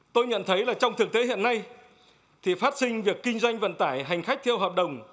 tôi nhận thấy là trong thực tế hiện nay thì phát sinh việc kinh doanh vận tải hành khách theo hợp đồng